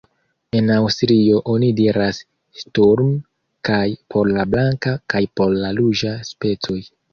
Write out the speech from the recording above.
En Aŭstrio oni diras Sturm kaj por la blanka kaj por la ruĝa specoj.